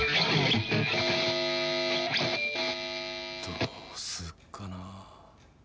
どうすっかな。